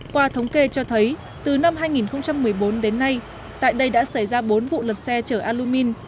qua thống kê cho thấy từ năm hai nghìn một mươi bốn đến nay tại đây đã xảy ra bốn vụ lật xe chở alumin